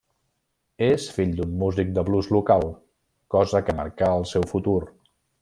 És fill d'un músic de blues local, cosa que marcà el seu futur.